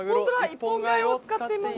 「一本買いを使っています」。